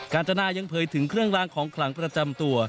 การจนายังเผยถึงเครื่องล้างของขลังประจำตัว